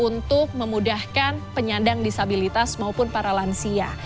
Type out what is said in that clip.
untuk memudahkan penyandang disabilitas maupun paralansia